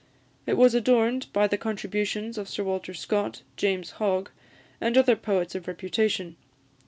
It was adorned by the contributions of Sir Walter Scott, James Hogg, and other poets of reputation.